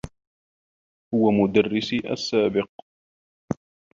هو مدرّسي السّابق.